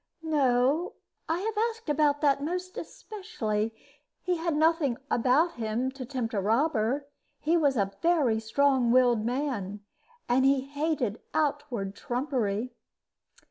"No. I have asked about that most especially. He had nothing about him to tempt a robber. He was a very strong willed man, and he hated outward trumpery."